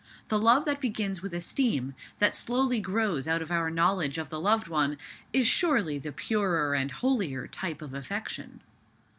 The love that begins with esteem, that slowly grows out of our knowledge of the loved one, is surely the purer and holier type of affection.